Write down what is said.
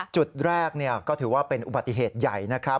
จุดแรกก็ถือว่าเป็นอุบัติเหตุใหญ่นะครับ